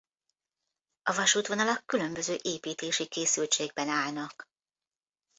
A vasútvonalak különböző építési készültségben állnak.